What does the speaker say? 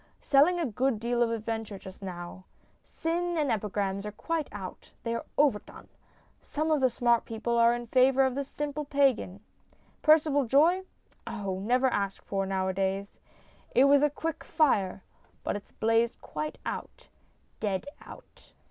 Selling a good deal of adventure just now. Sin and epigrams are quite out ; they are overdone. Some of the smart people are in favour of the simple pagan. Percival Joye? Oh, never asked for nowadays. It was a quick fire, but it's blazed quite out, dead out.